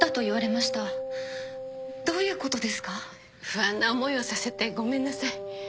不安な思いをさせてごめんなさい。